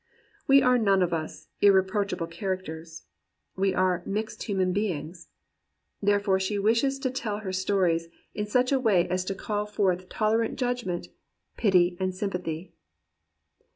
We are none of us "irreproachable char acters." We are "mixed human beings." There fore she wishes to tell her stories "in such a way as 162 GEORGE ELIOT AND REAL WOMEN to call forth tolerant judgment, pity, and sym pathy."